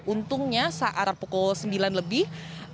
untungnya saat pukul sembilan lebih